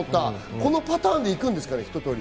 このパターンで行くんですかね、ひと通り。